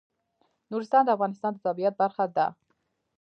نورستان د افغانستان د طبیعت برخه ده.